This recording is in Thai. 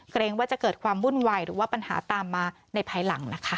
เกรงว่าจะเกิดความวุ่นวายหรือว่าปัญหาตามมาในภายหลังนะคะ